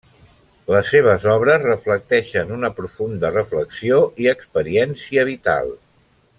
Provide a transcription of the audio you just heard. Les seves obres reflecteixen una profunda reflexió i experiència vital.